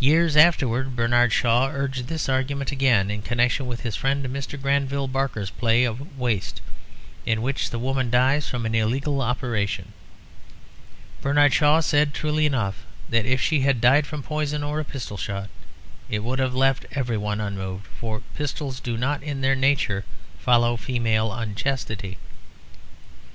Years afterwards Bernard Shaw urged this argument again in connection with his friend Mr. Granville Barker's play of Waste, in which the woman dies from an illegal operation. Bernard Shaw said, truly enough, that if she had died from poison or a pistol shot it would have left everyone unmoved, for pistols do not in their nature follow female unchastity.